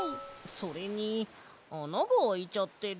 それにあながあいちゃってる。